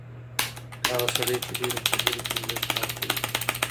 هغه سړی چې ډېرې خبرې کوي، لږ کار کوي.